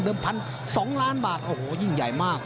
เดิมพันสองล้านบาทโอ้โหยิ่งใหญ่มาก